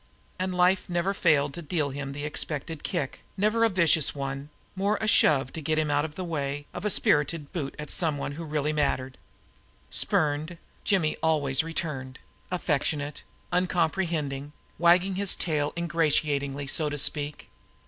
And life had never failed to deal him the expected kick, never a vicious one, more of a shove to get him out of the way of a spirited boot at someone who really mattered. Spurned, Jimmy had always returned, affectionate, uncomprehending, wagging his tail ingratiatingly, so to speak.